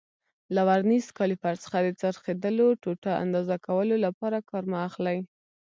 له ورنیز کالیپر څخه د څرخېدلو ټوټو اندازه کولو لپاره کار مه اخلئ.